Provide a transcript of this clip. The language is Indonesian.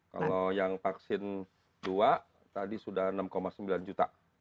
kalau yang vaksin dua tadi sudah enam sembilan juta